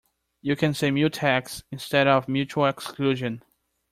You can say mutex instead of mutual exclusion.